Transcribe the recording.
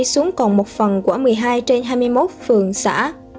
xuống còn một phần của một mươi hai trên hai mươi một phường xã